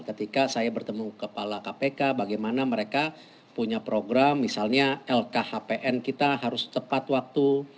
ketika saya bertemu kepala kpk bagaimana mereka punya program misalnya lkhpn kita harus tepat waktu